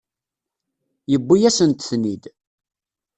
Yewwi-yasent-ten-id.